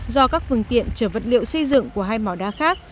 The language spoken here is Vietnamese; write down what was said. do các phương tiện chở vật liệu xây dựng của hai mỏ đá khác